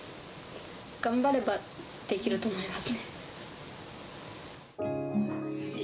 頑張ればできると思います。